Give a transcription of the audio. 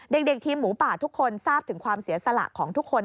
เด็กทีมหมูป่าทุกคนทราบถึงความเสียสละของทุกคน